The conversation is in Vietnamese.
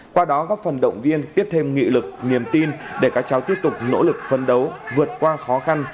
qua đó góp phần động viên tiếp thêm nghị lực niềm tin để các cháu tiếp tục nỗ lực phân đấu vượt qua khó khăn